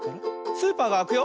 スーパーがあくよ。